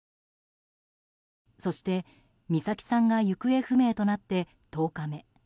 そして、美咲さんが行方不明となって１０日目。